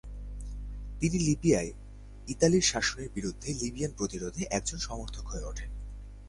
তিনি লিবিয়ায় ইতালীয় শাসনের বিরুদ্ধে লিবিয়ান প্রতিরোধের একজন সমর্থক হয়ে উঠেন।